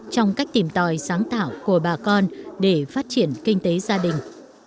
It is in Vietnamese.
trong cách tìm tòi sáng tạo của bà con để phát triển kinh tế gia đình